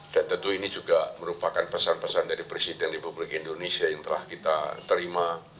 dan tentu ini juga merupakan pesan pesan dari presiden di publik indonesia yang telah kita terima